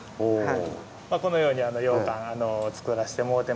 このようにようかんつくらせてもろてます。